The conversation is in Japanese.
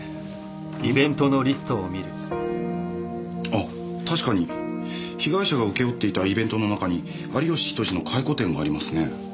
あっ確かに被害者が請け負っていたイベントの中に有吉比登治の回顧展がありますね。